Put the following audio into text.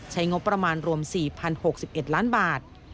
ใช้งบประมาณรวม๔๐๖๑ล้านบาท